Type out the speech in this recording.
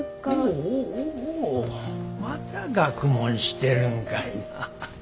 おおまた学問してるんかいな。